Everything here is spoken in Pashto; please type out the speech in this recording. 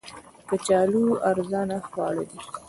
کچالو ارزانه خواړه دي